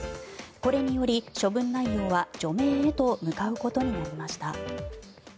これにより処分内容は除名へと向かうことになりました。